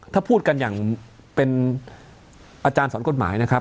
ถ้าพูดกันอย่างเป็นอาจารย์สอนกฎหมายนะครับ